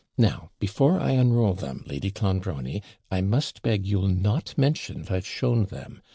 Now, before I unroll them, Lady Clonbrony, I must beg you'll not mention I've shown them.